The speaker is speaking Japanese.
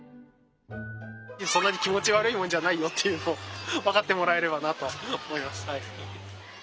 そんなに気持ち悪いもんじゃないよっていうのを分かってもらえればなと思います。